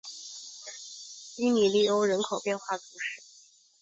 基米利欧人口变化图示